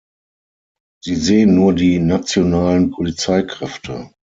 Sie sehen nur die nationalen Polizeikräfte.